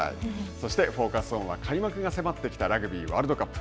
そしてＦｏｃｕｓｏｎは開幕が迫ってきたラグビーワールドカップ。